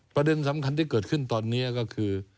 ประเด็นสำคัญที่เกิดขึ้นตอนนี้ก็คือ